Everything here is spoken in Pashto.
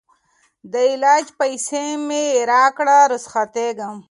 د علاج پیسې مي راکړه رخصتېږم